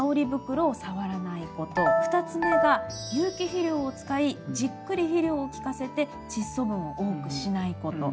２つ目が有機肥料を使いじっくり肥料を効かせてチッ素分を多くしないこと。